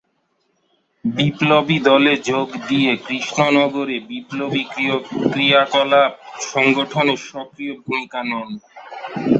বিপ্লবী দলে যোগ দিয়ে কৃষ্ণনগরে বিপ্লবী ক্রিয়াকলাপ সংগঠনে সক্রিয় ভূমিকা নেন।